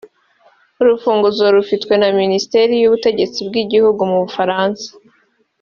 Urufunguzo rufitwe na Minisiteri y’ubutegetsi bw’igihugu mu Bufaransa